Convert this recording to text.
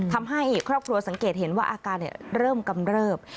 ทำให้ครอบครัวสังเกตเห็นว่าอาการเริ่มกำเริบ